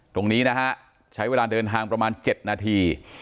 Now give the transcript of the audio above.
ตรงนี้นะฮะใช้เวลาเดินทางประมาณ๗นาที